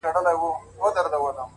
نیک اخلاق تلپاتې پانګه ده,